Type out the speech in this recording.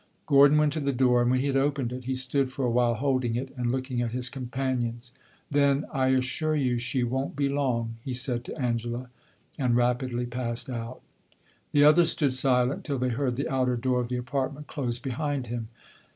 Gordon went to the door, and when he had opened it he stood for a while, holding it and looking at his companions. Then "I assure you she won't be long!" he said to Angela, and rapidly passed out. The others stood silent till they heard the outer door of the apartment close behind him.